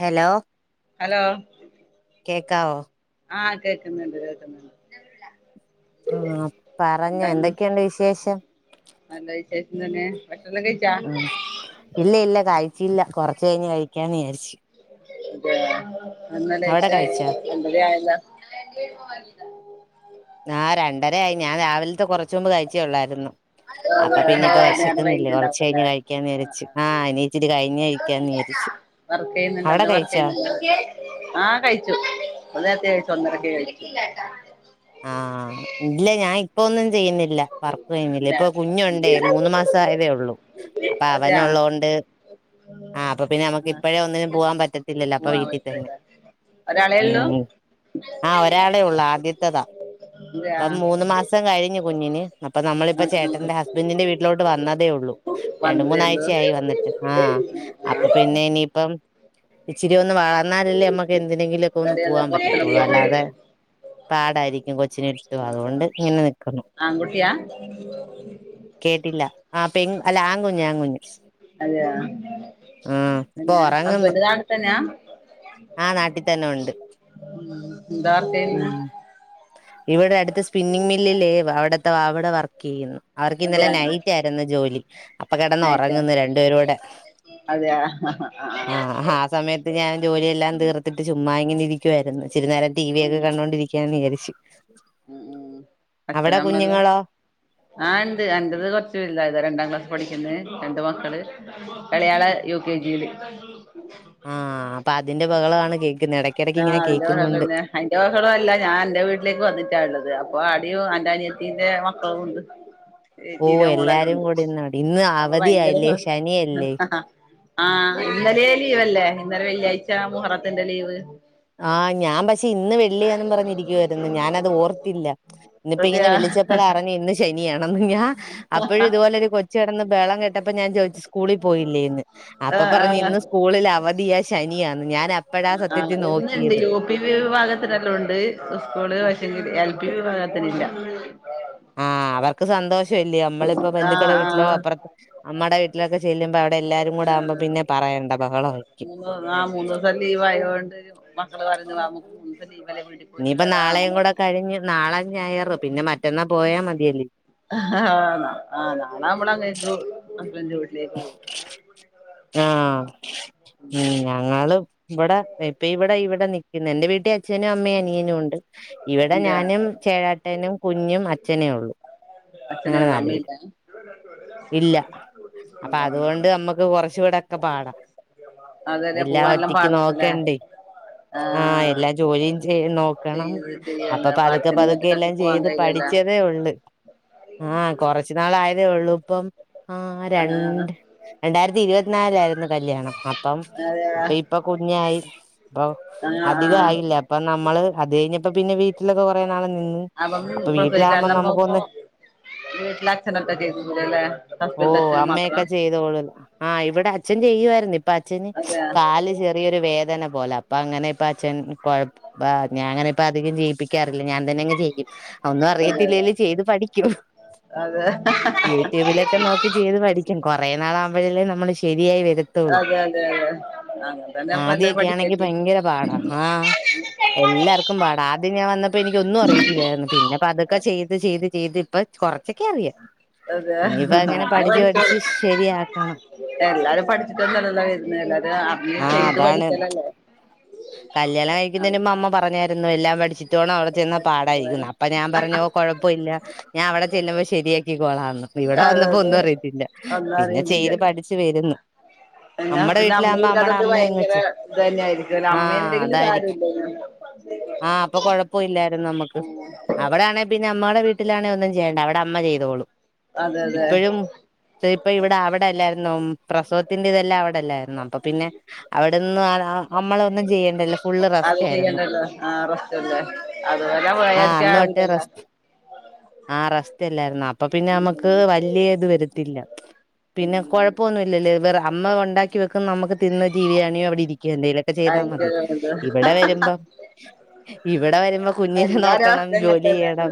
Hello hello കേക്കാവോ? ആഹ് കേക്ക്ന്ന്ണ്ട് കേക്ക്ന്ന്ണ്ട്. ആഹ് പറഞ്ഞ എന്തക്കെണ്ട് വിശേഷം? ന്നല്ല വിശേഷം തന്നെ ഭക്ഷണം കഴി ആഹ് ഇല്ല ഇല്ല കഴ്ചില്ല കൊർച്ച് കഴിഞ്ഞ് കഴിക്കാന്ന് വിചാരിച്ചു. അതെ [inaudible] ല്ലച്ച അവിടെ കഴിച്ചോ രണ്ടര ആയല്ലോ ആഹ് രണ്ടര ആയി ഞാൻ രാവിൽത്ത കൊർച്ച് മുമ്പ് കഴിച്ചേയൊള്ളായിരുന്നു. അപ്പൊ പിന്നെ ഇപ്പ നേരം വെശക്കുന്നില്ല കൊർച്ച് വൈകിട്ടുണ്ടാവുല്ലേ കഴിഞ്ഞ് കഴിക്കാന്ന് ആഹ് വിജരിച്ചു ആഹ് ഇനീച്ചിരി കഴിഞ്ഞ് കഴിക്കാന്ന് വിജരിച്ചു. വർക്കെയ്യുന്ന്ണ്ട് അത് വർക്ക്യ്യുന്നുണ്ട്. ആഹ് കഴിച്ചു ന്നേരത്തെ കഴിച്ചു ഒന്നരക്കെ കഴിച്ചു. ആഹ് ഇല്ല ഞാൻ ഇപ്പ ഒന്നും ചെയ്യുന്നില്ല. പർപ്പെ കഴിഞ്ഞില്ലേ ഇല്ല ഇപ്പൊ കുഞ്ഞുണ്ടേ മൂന്ന് മാസം ആയതേ ഒള്ളൂ അപ്പാ അതെയാ അവനുള്ളൊണ്ട് ആഹ് അപ്പപ്പിന്നെ ഞമ്മക്ക് ആഹ് ഇപ്പഴേ ഒന്നിനും പോവാൻ പറ്റത്തില്ലല്ലോ അപ്പൊ വീട്ടിതന്നെ. ഒരാളെ ഉള്ളൂ ഉം ആ ഒരാളേ ഉള്ളു ആദ്യത്തേതാ അതെയാ ഇപ്പം മൂന്ന് ആഹ് മാസം കഴിഞ്ഞു കുഞ്ഞിന് അപ്പൊ നമ്മളിപ്പൊ ആഹ് ചേട്ടന്റെ ഹസ്ബൻഡിന്റെ വീട്ടിലോട്ട് വന്നതേ ഉള്ളൂ രണ്ട് വന്നതേ ഉള്ളൂ മൂന്നാഴ്ചയായി വന്നിട്ട് ആഹ് അപ്പൊ പിന്നെ ഇനിയിപ്പം ഇച്ചിരി ഒന്ന് വളർന്നാലല്ലേ നമ്മുക്ക് എന്തിനെങ്കിലുക്കെ ഒന്ന് പെരേന്ന് പോവാാൻ പറ്റത്തുള്ളൂ അല്ലാതെ പൊറത്തൊന്നും പാടായിരിക്കും കൊച്ചിനിട്ടിട്ട് പോവാൻ മടിയാ ആഹ് അതുകൊണ്ട് ആഹ് ഇങ്ങനെ നിക്കുന്നു ആൺകുട്ടിയാ കേട്ടില്ല ആ പെൺ അല്ല ആൺകുഞ്ഞ് ആൺകുഞ്ഞ് അതേ യാ ആഹ് ഇപ്പൊ പിന്നെ ഉറങ്ങുന്നു ഹസ്ബൻഡ് നാട്ടി തന്നെയാ ആ നാട്ടിൽ തന്നെ ഉണ്ട് ഉം ഉം [unintelligible] ഇവിടെ അടുത്ത സ്പിന്നിങ് മില്ലില് അവിടുത്തെ അവിടെ വർക്ക് ചെയ്യുന്നു അവർക്ക് ഇന്നലെ അതെയോ നൈറ്റ് ആയി രുന്നു ജോലി അപ്പൊ കിടന്ന് നൈറ്റാ ഉറങ്ങുന്നു രണ്ടുപേരുടെ അതെയോ ആഹ് ആഹ് ആ സമയത്ത് ഞാൻ ജോലിയെല്ലാം തീർത്തിട്ട് ചുമ്മാങ്ങിനിരിക്കും വായിരുന്നു ഇച്ചിരി നേരം ടി വി ഉം ഒക്കെ കണ്ടോണ്ടിരിക്ക ക്കാ ന്ന് വിചാരിച്ചു ഉം ഉം അവിടെ അച്ഛനും അമ്മയെല്ലാം കുഞ്ഞുങ്ങളോ ആഹ് ണ്ട് എന്റത് കൊറച് വലുതായതാ രണ്ടാം ക്ലാസ് പഠിക്കുന്ന് രണ്ട് മക്കള് എളയാള് യു കെ ജിയി ല് ആ അപ്പ അതിന്റെ ബഹളാണ് കേക്ക്ന്നെ എടക്കെടയ്ക്കങ്ങനെ കേക്കുന്നുണ്ട്. അയ്ന്റെ ബഹളും അല്ല ഞാൻ അന്റെ വീട്ടിലേക്ക് വന്നിട്ടാള്ളത് അപ്പൊ ആടിം അന്റെ അനിയത്തിന്റെ മക്കളുണ്ട്. ഓ ഏച്ചീടെമോളല്ലേ എല്ലാരും ഒള്ളൂ കൂടി ഇന്നാടി ഇന്ന് അപ്പൊ ഭയങ്കര അവധിയായില്ലേ സൗ ശനിയല്ലേ ആ ഇന്നലെ ലീവല്ലേ ഇന്നലെ വെള്ളിയാഴ്ച മുഹറത്തിന്റെ ലീവ്. ആ ഞാൻ പക്ഷെ ഇന്ന് വെള്ളിയാന്നും പറഞ്ഞിരിക്കുവായിരുന്നു ഞാനത് ഓർത്തില്ല. ന്ന്ട്ട് അതെയാ യ്യിന്നെപ്പ വിളിച്ചപ്പഴാ അറിഞ്ഞി ഇന്ന് ശനിയാണെന്ന് ഞാ അപ്പോഴും ഇതുപോലെ ഒര് കൊച് കെടന്ന് ബഹളം കേട്ടപ്പോ ഞാൻ ചോയ്ച്ചു സ്കൂളിൽ പോയില്ലേന്ന്? അപ്പ ആഹ് പറഞ് ആഹ് ഇന്ന് സ്കൂളിൽ അവധിയാ ശനിയാന്ന് ഞാൻ അപ്പഴാ സത്യത്തിൽ നോക്കി ണ്ട് യു, പി വിഭാഗത്തിനല്ലാംണ്ട് സ്കൂള് പക്ഷെങ്കില് എൽ, പി വിഭാഗത്തിനില്ല. [inaudible] ആ അവർക്ക് സന്തോഷല്ലേ നമ്മളിപ്പ ആഹ് ബന്ധുക്കടെ വീട്ടിലോ ആഹ് അപ്പറതെ അമ്മടെ വീട്ടി ലൊക്കെ ചെല്ലുമ്പോ അവിടെ എല്ലാരും കൂടെ ആകുമ്പോ പിന്നെ പറയണ്ട ബഹളായിരിക്കും. ആഹ് മൂന്നൂസം ലീവായോണ്ട് മക്കള് പറഞ് നമ്ക്ക് മൂന്ന് ദിവസം ലീവല്ലേ വീട്ടി ഇനിയിപ്പ നാളെയും കൂടെ കഴിഞ്ഞ് നാളെ ഞായറ് പിന്നെ മറ്റന്നാ പോയാ മതിയല്ലേ. ആഹ് ഹ് [unintelligible] ഹസ്ബൻഡിന്റെ വീട്ടിലേക്ക് പോവും. [inaudible] ആഹ് ഉം ഞങ്ങള് ഇവിടെ ഇപ്പ ഇവിടെ ഇവിടെ നിക്ക്ന്നെ എന്റെ വീട്ടി അച്ഛനും അമ്മയും അനിയനും ഉണ്ട് ഇവിടെ എന്റെ ഞാനും ചേട്ടനും കുഞ്ഞും അച്ഛനേ ഒള്ളൂ. അച്ഛനേയൊള്ളൂ അമ്മയില്ലേ? ഇല്ല അപ്പ അതുകൊണ്ട് നമ്മുക്ക് കുറച്ചൂടൊക്കെ പാടാ അതല്ലേ എല്ലാം പോവാനെല്ലാം ഒറ്റക്ക് പാടാണല്ലേ നോക്കണ്ടേ ആ ആഹ് എല്ലാ ജോലിയും ചെയന്നോ ക്കണം ചെയ്ത് ചെയ്യല്ല അപ്പൊ പതുക്കെ അച്ഛനും പതുക്കെ ഒറ്റക്കൊക്കെ എല്ലാം പോവാൻ ചെയ്ത് കഴിയില്ലല്ലോ പഠിച്ചതേ ഒള്ള്. ആഹ് കൊറച്ച് നാളായതേ ഒള്ളൂപ്പം. ആഹ് ആഹ് രണ്ട് രണ്ടായിരത്തി ഇരുപത്തിനാലിലായിരുന്നു കല്യാണം അപ്പം അതെ ഇപ്പ ആഹ് ഇപ്പ കുഞ്ഞായി. പ്പൊ ആഹ് അധികായില്ല അപ്പൊ നമ്മള് അത് കഴിഞ്ഞപ്പോ പിന്നെ വീട്ടിലൊക്കെ കുറേ നാള് നിന്ന്. അപ്പം അപ്പൊ വീട്ടിലാകുമ്പോ പ്രസവിച്ചട്ന്നപ്പോംമ്പോ നമുക്കൊന്ന് വീട്ടിലച്ചനൊറ്റക്കേക്കു ലേ? ഓ അമ്മയൊക്കെ ചെയ്തോളൂല്ലോ ആ ഇവിടെ അച്ഛൻ ചെയ്യുവാര്ന്ന്. പ്പൊ അച്ഛന് അതെ അതെ കാല് ചെറിയൊരു വേദനാം. പോലെ അപ്പൊ അങ്ങനെപ്പൊ അച്ഛൻ കൊയപ്പ ഞാ അങ്ങനെപ്പ അധികം ജയിപ്പിക്കാറില്ല ഞാൻ തന്നെ അങ്ങ് ചെയ് ഒന്നും അതെ അറിയത്തില്ലേലും ചെയ്ത് പഠിക്കും. അതെ ആഹ് ഹാ. യൂട്യൂബിലൊക്കെ നോക്കി ചെയ്ത് പഠിക്കും കുറെേ നാളാവുമ്പഴല്ലേ നമ്മള് ശരിയായി വര് അതെ ട്ടൊള്ളൂ അതെ അതെ അങ്ങനെ തന്നെ ഇപ്പ എല്ലാരും ആദ്യൊക്കാണെങ്കി പഠിക്കല് ഭയങ്കര പാടാ ആ. എല്ലാർക്കും പാട ആദ്യം ഞാൻ വന്നപ്പോ എനിക്ക് ഒന്നും അറിയത്തില്ലായിരുന്നു പിന്നെപ്പ പ തുക്കെ ചെയ്ത് ചെയ്ത് ചെയ്ത്. പ്പൊ കൊർച്ചൊക്കെ അറിയാ. അതെ അത് പഠിച്ചോള്ളും ശരിയാക്കണം എല്ലാരും പഠി ച്ചല്ല വര്ന്നെ അല്ലാതെ അർഞ്ഞ് ആ ചെയ്ത് അതാണ് പഠിക്കലല്ലേ. കല്യാണം അതെ കഴിക്കുന്നേന്റെമ്മ അമ്മ പറഞ്ഞാര്ന്നു എല്ലാം പഠിച്ചി റ്റോണം അവിടെ ചെന്ന പഠിച്ചിട്ട് പാടായിരിക്കും പോവാന് അപ്പൊ ഞാൻ പറഞ്ഞു കുഴപ്പൊല്ല ഞാൻ അവിടെ ചെല്ലുമ്പോ ശരിയാക്കി കൊളാന്ന്.. ഇവിടെ അതെ വന്നപ്പോ അതെ ഒന്നും അറിയത്തില്ല ഒന്നും പിന്നെ ചെയ്ത് പഠിച്ച് വരുന്നു. പിന്ന നമ്മടെ പിന്നെ അമ്മ വീട്ടിലാകുമ്പോ നമ്മടെ ഇല്ലാതൊണ്ട് അമ്മയങ്ങ് ഭയങ്കര ചെയ്യും ഇത് തന്നെയയിരിക്കുംലേ അമ്മ ഇണ്ടെങ്കി സാരലേനി. ആ അപ്പൊ കൊഴപ്പല്ലായിരുന്നു അ മ്മക്ക് അവടെ ആണെ പിന്നെ അമ്മടെ വീട്ടിലാണേ ഒന്നും ചെയ്യേണ്ട അവിടെ അമ്മ ചെയ്തോളൂ അതെ അതെ ഇപ്പഴും ഇപ്പ ഇപ്പ ഇവിടെ അവിടെല്ലാര്ന്നോ പ്രസവത്തിന്റെ ഇതെല്ലാം അവിടെല്ലാര്ന്നോ. അപ്പൊ പിന്നെ അവിടെന്ന് നമ്മളൊ ഒന്നും ചെയ്യേണ്ടല്ല ഫുള്ള് അത് റെസ്റ്റ് ആയിരുന്നു ചെയ്യണ്ടല്ലോ ആ [unintelligible] അതുപോലെ ആഹ് അന്ന് തൊട്ടേ റെസ്റ്റ് [unintelligible] ആ റസ്റ്റല്ലാര്ന്നോ അപ്പ പിന്നെ അ ഉം മ്മക്ക് ഉം വല്ല്യ ഇത് വരത്തില്ല. ഉം പിന്നെ ഉം കൊഴപ്പൊന്നുമല്ലല്ലോ, വേറെ അമ്മ ഉണ്ടാക്കി വെക്കും നമ്മുക്ക് തിന്ന് ടീവികണോ അവിടെ- ഇരിക്കുക എന്തേല. ചെയ്താൽ മതി ആയിക്കത് ഇവിടെ വരുമ്പോ- ഇവിടെ വരുമ്പോ കുഞ്ഞിനെ എല്ലാര നോക്കണം അവസ്ഥ ജോലി ഇങ്ങനത്തന്നെ ചെയ്യണം. ആഹ.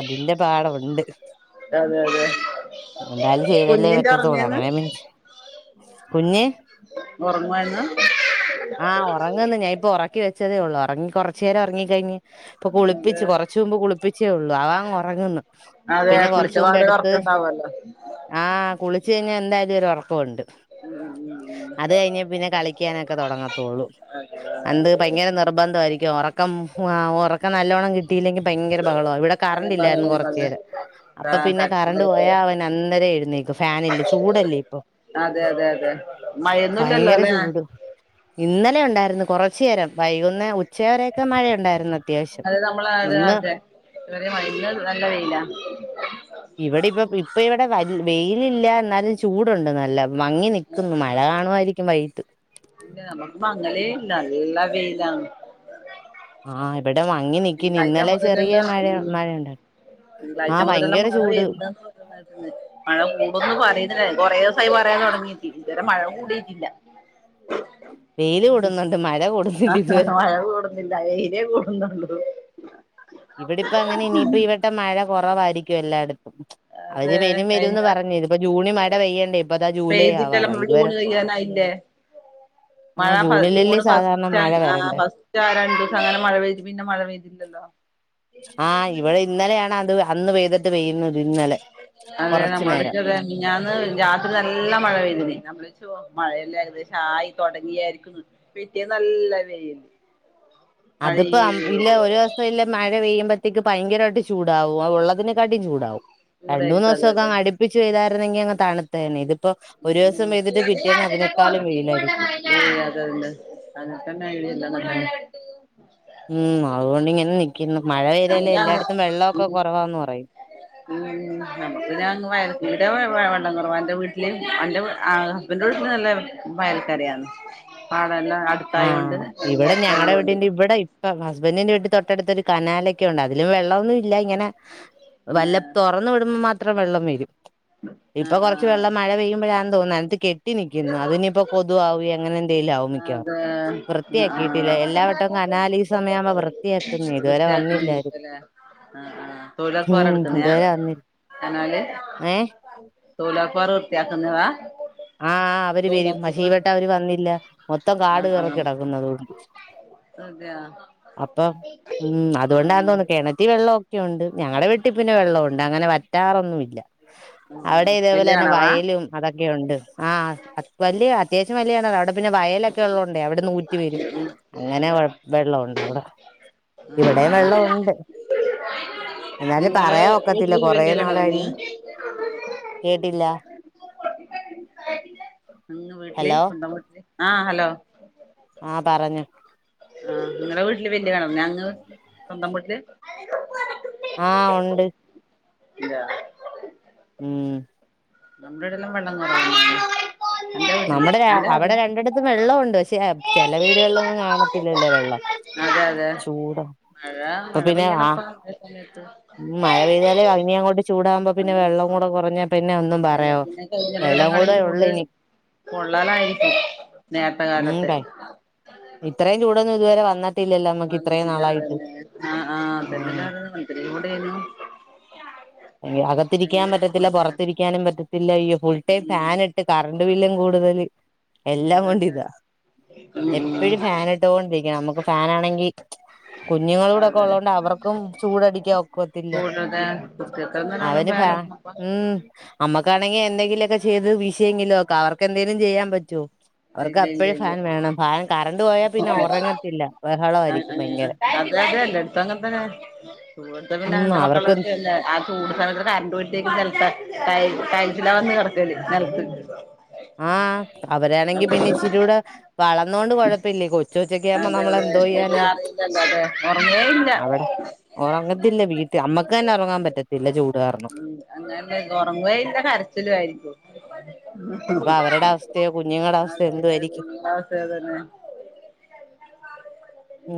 അതിന്റെ പാടുണ്ട് അതെ അതെ എന്തായാലും, ചെയ്തല്ലേ കുഞ്ഞിന്റെ പറ്റത്തോള ഉറങ്ങന്ന് അങ്ങനെ. കുഞ്ഞേ. ഉറങ്ങുവായിരുന്നോ. ആഹ ഉറങ്ങങ്ന്ന്, ഞാൻ ഇപ്പോ ഉറക്കി വെച്ചതേ ഉള്ളൂ ഉറങ്ങി കുറ- ചേരെ ഉറങ്ങിക്ക കഴിഞ്ഞു ഇപ്പോ- കുളിപ്പിച്ച് അതെ കുറച്ച മുമ്പ് കുളിപ്പിച്ചേ- ഉള്ളു അവങ് ഉറങ്ങുന്നു. അതെ പിന്നെ കുളിച്ച പാല- കുറച്ചുണ്ടാവല്ലോ. ആഹ് കുളിച്ച് കഴിഞ്ഞാൽ- എന്തായാലും ഒരു ഉറക്കമുണ്ട്. ഉം ഉം. അത് കഴിഞ്ഞ പിന്നെ- കളിക്കാനൊക്കെ തുടങ്ങത്തുള്ളൂ. അതെ എന്ത് ഭയങ്കര നിർബന്ധമായിരിക്കും ഉറക്കം, ഉറക്കം നല്ലോണം- കിട്ടിയില്ലെങ്കിൽ ഭയങ്കര ബഹളമാണ് ഇവിടെ. റല്ലായിരുന്നു അതെ കൊറച്ചേര് അപ്പോ പിന്നെ കറണ്ട് പോയാൽ അവന് അന്നേരം എഴുന്നേക്കും. ഫാനല്ലേ ചൂടല്ലേ ഇപ്പോ അതെ അതെ അതെ മഴയൊന്നുംല്ലല്ലോ ഭയങ്കര അല്ലെ ചൂട്. ഇന്നലെ ഉണ്ടായിരുന്നു കൊറച്ച് ച്യേരം വൈകുന്നേ ഉച്ച വരൊക്കെ, മഴയ ഉണ്ടായിരുന്നു അത്യാവശ്യം ഇന്ന്. ചറ മന്ന് നല്ല വെയില. ഇവിടെ ഇപ്പ, ഇപ്പ ഇവിടെ വ വെയിലില്ല എന്നാലും, ചൂടുണ്ട് നല്ല മങ്ങി നി- ക്കുന്നു, മഴ കാണുമായിരിക്കും വൈകട്ട്. ഇല്ല നമുക്ക് മങ്ങളേ ഇല്ല, അല്ല, നല്ല വെയിലാണ്. ആഹ് ഇവിടെ മങ്ങി നിക്കി, തിങ്കളാഴ്ച ഇന്നലെ ചെറിയ മുതലെല്ലാം മഴ, ഉം മഴയുണ്ട്. തിങ്കളാഴ്ച മുതലെല്ലാം മഴ- വരുന്നന്ന് പറഞ്ഞായിരുന്നു. മഴ കൂടുംന്ന് പറയുന്നില്ല കുറെ- ദിവസമായി പറയാൻ തുടങ്ങീട്ട്. ഇതുവരെ മഴ കൂടിട്ടില്ല. വെയില് കൂടുന്നുണ്ട് മഴ കൂടുന്നില്ല ഇതുവരെ. [unintelligible] വയില കൂടുന്നുള്ളു. ഇവിടെപ്പ അങ്ങനെ ഇനി ഇപ്പ- ഇവിടെ മഴ കുറവായിരിക്കും എല്ലായിടത്തും. അവര് അതെ വെരും കഴിഞ്ഞ വരുംന്ന് പറഞ്ഞഞ്, ഇതി ഇപ്പ ജൂണി മഴ പെയ്യേണ്ടേ, ഇപ്പതാ ജൂലൈ പെയ്തില്ലല്ലോ ആവാറാ ജൂണ് ഇതുവരെ- കഴിയാനായില്ലേ ആ മഴ ജൂണിലല്ലേ ജൂണ് സാധാരണ മഴ ഫസ്റ്റ്, വരണ്ടേ ഫസ്റ്റ് ആ രണ്ടു ദിവസം അങ്ങനെ മഴ പെയ്ത്. പിന്നെ മഴ പെയ്തില്ലല്ലോ? ആഹാ ഇവിടെ ഇന്നലെയാണ് അത്, അന്ന് പെയ്തിട്ട് പെയ്യുന്നത് ഇന്നലെ കൊറച്ചു നേരം. മിഞന്ന് രാത്രി നല്ല മഴ പെയ്തിരുന്നു. മഴയല്ലാം ഏകദേശം ആയി- തുടങ്ങിയായിരിക്കുന്നു പെറ്റിയ നല്ല വന്ന്. അത് പ്പോ അം ഇല്ലേ ഒരു, [unintelligible] ഇല്ല. മഴ പെയ്യുമ്പത്തേക്ക് ഭയങ്കരായിട്ട് ചൂടാവും, ആഹാ ഉള്ളതിനെക്കാട്ടും ചൂടാവും, രണ്ടൂന്ന് ചൂടായിരിക്കും ദിവസംക്കെ ങ്ങനെ അടി- പ്പിച്ച് ചെയ്താന്നെങ്കിൽ അങ് തണു- എല്ലാ അതിലൊക്കെ അതിനെക്കാളും ഒതുകിക്കോ ന്റെ വെയിലായിരിക്കും സാഹിനാ. അഅങ്ങനെതന്നെ ഐഡിയ ഇല്ലാന്നാ ആ തോ- ഉം അതുകൊണ്ടങ്ങനെ നിക്കുന്നു. മഴ പെയ്താലെ അങ്ങ് എല്ലായിടത്തും, ഉം വെള്ളൊക്കെ കുറവാന്ന് പറയും. ഉം നമുക്ക്‌ പിന്നെ അങ്ങ് വയറിന്റെ- ഇവിടെ വെള്ളം കുറവാ, അൻ്റെ വീട്ടില് അന്റെ വീട്ടിൽ, ന്റെ വീട്ടില് നല്ല വയൽക്കരയാണ്, പാടെല്ലാം ഹാ. ആഹ് ഇവിടെ ഞങ്ങളടെ വീടീന്റെ ഇവിടെ, ഇവിടെ- ആ ഹസ്ബൻറിന്റെ വീട്ടില് തൊട്ടടുത്തൊരു കനാലൊക്കെ ഉണ്ട്, അതില് വെള്ളൊന്നും ഇല്ല ഇങ്ങനെ വല്ല തൊറ- [unintelligible] വിടുമ്പോ മാത്രം വെള്ളം വരും, ആഹ് ആഹ് ഇപ്പം കൊറച്ച് വെള്ളം മഴ പെയ്യുമ്പോഴാന്ന് തോനുന്നു അത്. ൽക്കുന്നു അതിനിപ്പോ കൊതു- ആവും അങ്ങനെ എന്തേലും ആവും മിക്കവാറും. ആഹാ ആഹാ വൃത്തിയാക്കിയിട്ടില്ല എല്ലാ വട്ടവും കനാല് ഈ സമയമാകുമ്പോ വൃത്തിയാക്കുന്നു [inaudible] ഇതുവരെ വൃത്തിയാക്കുന്നത് വന്നില്ലാരും അല്ലേ? ആഹാ ആഹാ തൊഴിലൊറപ്പ് പൊലെ ഉം എടുക്കുന്നേ ഇതുവരെ വന്നില്ല കനാല്. ഏഹ് തൊഴിലൊർപാര് വൃത്തിയാക്കുന്നതാ? ആഹ് അവര് വരും, പക്ഷെ തൊഴിലുറപ്പ് ഈവട്ടം അവര് വന്നില്ല. മൊത്തം കാട് കേറികിടക്കുന്നു. അത് കൊണ്ട്- അതെ ആഹ് ആഹ് [inaudible] ആഹാ. കെണറ്റി വെള്ളൊക്കെണ്ട് ഞങ്ങടെ വീട്ടീ പിന്നെ വെള്ളം ഉണ്ട് അങ്ങനെ വറ്റാറൊന്നൂല്ല അവടെ ആ വല്യ ഇതേപോലെന്നെ കിണറാ വയലും. അതൊക്കെ ഉണ്ട് ആഹ് അ-വലിയ അത്യാവശ്യം വലിയ ടവാ അവിടെ പിന്നെ വയ- [unintelligible] ഉള്ളോണ്ടേ അവിട്ന്ന് ഊറ്റി വരും ഉം അങ്ങനെ- അതെയാ വെള്ളം ഉണ്ട് അവിടെ ഇവിടേം വെള്ളം ആ ഉണ്ട്. എന്നാലും നിങ്ങളെ പറയാ ഒക്കത്തില്ല വീട്ടില് കൊറ വല്യ നാളായി കിണറന്നെ ഴിയുമ്പ- കേട്ടില്ല. [unintelligible] ങ് വീട്ടില്. ഹലോ [inaudible] ആഹ് ഹലോ ആഹ് പറഞ്ഞോ ആഹ് ഇങ്ങളെ വീട്ടില് വല്യാ കെണറ് ഞങ്ങള് സ്വന്തം വീട്ടില് ആഹ് ഉണ്ട് ഇല്ല ഉം നമ്മുടെടെല്ലാം വെള്ളം കുറവാ [unintelligible] അന്റെ വീട്ടില് അന്റെ അ വ്ടെ വെള്ളം ഉണ്ട് പക്ഷെ ചെല വീടുകളിലൊന്നും കാണത്തില്ലല്ലോ വെള്ളം അതെ അതെ ചൂടൊ മഴ അപ്പൊ മഴ പിന്നെ പെയ്യണപ്പ ആഹ് മഴ സമയത്ത് ഉം മഴ പെയ്താല് ഇനിയങ്ങോട്ട് ചൂടാവകുമ്പോ പിന്നെ അത് വെള്ളം ചൂട കൂടെ കുറഞ്ഞാ പിന്നെ ഒന്നും പറയൊ വെള്ളത്തിന് വെള്ളം കഴിഞ്ഞടവരക്കാളും കൂടെ ഉള്ളൂ ചൂട് ഇനി പൊള്ളലായിരിക്കും നേരത്തെ ഉം കാലത്തെ [unintelligible] ഇത്രയും ചൂടൊന്നും ഇതുവരെ വന്നിട്ടില്ലല്ലോ നമ്മുക്ക് ഇത്രയും വന്നിട്ടില്ല നാളായിട്ട് അതെന്നെ ആ ആ പിന്ന ആഹ് [unintelligible] ഇത്രയും കൂടെയ്നു അയ്യോ അകത്തിരിക്കാൻ പറ്റത്തില്ല പുറത്തിരിക്കാനും പറ്റത്തില്ല ഈ ഫുൾ ടൈം ഉം ഫാന് കറണ്ട് ബില്ലും കൂടുതല് എല്ലാം അതെ കൊണ്ടും അതെ ഇതാ ഉം ഉം എപ്പഴും ഫാന് ഇട്ടോണ്ടിരിക്കണം നമുക്ക് ഫാനാണെങ്കി കുഞ്ഞുങ്ങളൂടെ ക്കെ അതെ ഉള്ളത് കൊണ്ട് അവർക്കും ചൂടടിക്കാൻ ഒക്കത്തില്ല. ആഹ് [unintelligible] അവര് ഫാ ഉം അമ്മക്കാണെങ്കി എന്തെങ്കിലുക്കെ ചെയ്ത് വീ ശിയെങ്കിലൊക്കെ ആവാ അവർക്ക്എന്തങ്കിലും ചെയ്യാൻ പറ്റോ. അവർക്ക് ഇല്ല ഇല്ല അപ്പഴും ഫാൻ വേണം ഫാൻ കറണ്ട് പോയാൽ പിന്നെ ഇല്ല ഒറങ്ങത്തില്ല അതെ ബഹളായിരിക്കും ഭയങ്കര അതെ അതെയതെ എല്ലാടത്തും അങ്ങനെ തന്നെ ഇവുടുത്തെ പിന്നെ ഉം എന്റെ മക്കള് അവർക്ക് പിന്നെ അ ചൂട് സമയത്തൊക്കെ കറണ്ട് പോയിട്ടേ കുട്ടി നെലത്തെ ടൈൽസ് -ടൈൽസിലാ വന്ന് കെടക്കല് നെൽത്ത്. ആഹ് അവരാണെങ്കി പിന്നെ ഇച്ചിരൂടെ വളർന്നോൊണ്ട് കൊഴപ്പല്ലേ കൊ ചോച്ചക്ക ആമ്പോ അതെ അതെ നമ്മളെന്തോ ഇത് ചെയ്യാന അറിയില്ലല്ലോ അതെ ഉറങ്ങേ ഇല്ല അവിടെ? ഉറങ്ങത്തില്ല വീട്ടിൽ അമ്മക്ക് തന്നെ ഉറങ്ങാൻ പറ്റത്തില്ല ചൂടുകാരണം ഉം അങ്ങനെ ഒറങ്ങേല്ല കരച്ചിലും ആയിരിക്കും. അപ്പൊ അവരുടെ അവസ്ഥയോ കുഞ്ഞുങ്ങടെ അതെ അവസ്ഥയോന്തൊ അതെ ആയിരിക്കും? കുഞ്ഞുങ്ങളെ അവസ്ഥ അത് തന്നെ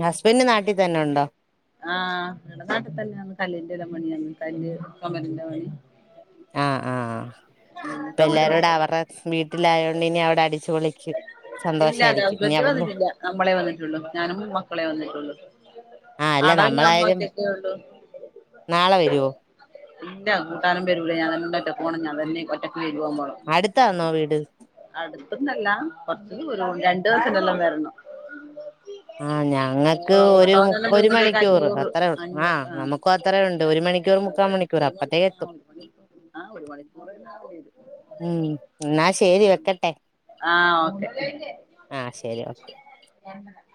ഹസ്ബന്റ് നാട്ടി തന്നെ ഉണ്ടോ? ആഹ് ഇവിടെ നാട്ടിൽ തന്നെയന്ന് കല്ലന്റെ മണിയന്ന് കല് കലിന്റെ പണി ആഹ് ആഹ് ഉം ചുമര് പ്പഎല്ലാരുംട വെക്കല് അവരുടെ വീട്ടിലായോണ്ട് ഇനി അവിടെ അടിച്ചു പൊളിക്കു ഇല്ല ഹസ്ബന്റ് വന്നിട്ടില്ല നമ്മളെ വന്നിട്ടുള്ളൂ ഞാനും മക്കളെ വന്നിട്ടുള്ളു ആ അല്ല അട പിന്നെ അമ്മ നമ്മളായാലും ഒറ്റക്കെള്ളു നാളെ വരുവോ? ഇല്ല കൂട്ടാനും വരൂല ഞാൻന്നെ ഒറ്റക്കെ പോണം ഞാൻ തന്നെ ഒറ്റ പോണം അടുത്താന്നോ വീട് അടുത്തന്നല്ല കൊറച്ച് ദൂരോണ്ട് രണ്ട് ബസനല്ലാം വരണം. ആഹ് ഞങ്ങക്ക് ഒരു ഓട്ടോന്നെല്ലാം ഒരു വരുമ്പോഴത്തേക്ക് മണിക്കൂർ അഞ്ഞൂറ് അത്ര അഞ്ഞൂറ് ആഹ് ആ നമു മുക്ക ത്രയ ഉണ്ട് ഒരു മണിക്കൂർ മുക്കാ മണിക്കൂർ അപ്പത്തേക്ക് എത്തും. [inaudible] ഉം എന്നാ ശരി വെക്കട്ടെ ആഹ് ഓക്കെ ആ ശരി ഓ [unintelligible]